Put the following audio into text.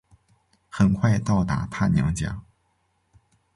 很快到达她娘家